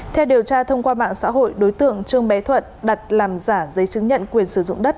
theo điều tra thông qua mạng xã hội đối tượng trương bé thuận đặt làm giả giấy chứng nhận quyền sử dụng đất